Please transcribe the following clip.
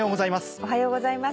おはようございます。